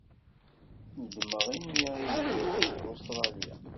Nedmeɣ imi ay ddiɣ seg Ustṛalya.